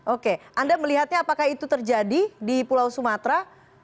oke anda melihatnya apakah itu terjadi di pulau sumatera